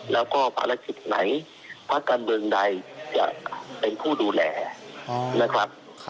แล้วก็ภารกิจไหนภาคการเมืองใดจะเป็นผู้ดูแลนะครับ